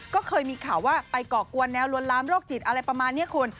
ก็เคยมีข่าวว่าไปก่อกวนแนวลวนลามโรคจิตอะไรประมาณนี้คุณ